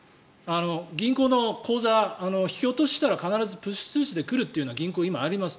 銀行の口座、引き落とししたら必ずプッシュ通知で来るというの銀行、今あります。